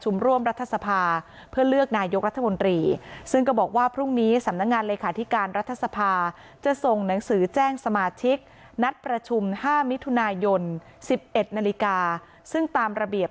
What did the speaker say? แทนรัฐสภาพูดแทนรัฐสภาพูดแทนรัฐสภาพูดแทนรัฐสภาพูดแทนรัฐสภาพูดแทนรัฐสภาพูดแทนรัฐสภาพูดแทนรัฐสภาพูด